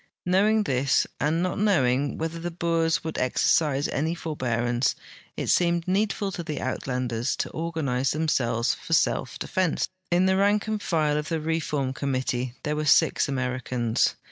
Knowing this, and not knowing whether the Boers would exer cise any forbearance, it seemed needful to the Uitlanders to organize themselves for self defense. In the rank and file of the reform committee there were six Americans.